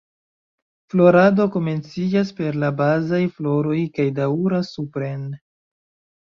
Florado komenciĝas per la bazaj floroj kaj daŭras supren.